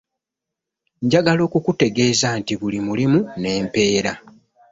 Njagala okukutegeeza nti buli mulimu n'empeera.